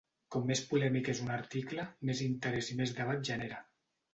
Com més polèmic és un article, més interès i més debat genera.